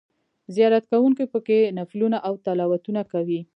زیارت کوونکي په کې نفلونه او تلاوتونه کوي.